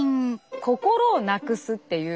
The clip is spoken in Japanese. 心をなくすっていう。